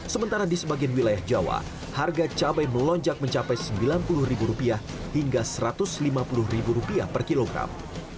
sementara di sebagian wilayah jawa harga cabai melonjak mencapai sembilan puluh ribu rupiah hingga satu ratus lima puluh ribu rupiah per kilogram